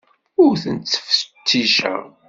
Ur ten-ttfetticeɣ.